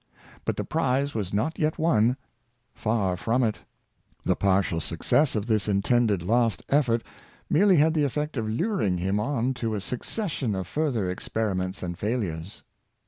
But the prize was not yet won — far from it. The partial success of this intended last effort merely had the effect of luring him on to a succession of fur ther experiments and failures.